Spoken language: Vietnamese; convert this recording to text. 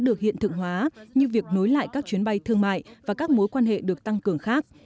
được hiện thực hóa như việc nối lại các chuyến bay thương mại và các mối quan hệ được tăng cường khác